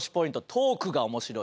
「トークが面白い」